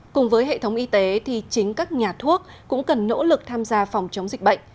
cùng với hệ thống y tế thì chính các nhà thuốc cũng cần nỗ lực tham gia phòng chống dịch bệnh